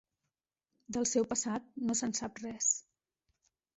Del seu passat no se'n sap res.